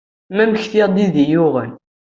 Ma mektiɣ-d i d iyi-yuɣen.